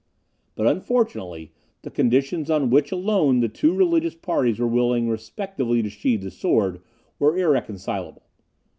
But, unfortunately, the conditions on which alone the two religious parties were willing respectively to sheath the sword, were irreconcileable.